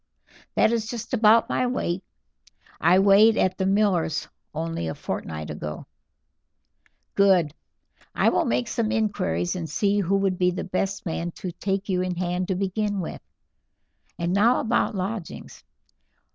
"That is just about my weight; I weighed at the miller's only a fortnight ago." "Good. I will make some inquiries, and see who would be the best man to take you in hand to begin with. And now about lodgings.